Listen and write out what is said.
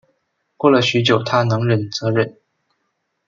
过了许久她能忍则忍